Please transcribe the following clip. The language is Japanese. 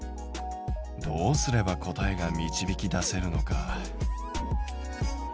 どうすれば答えが導き出せるのか。